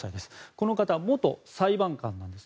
この方、元裁判官です。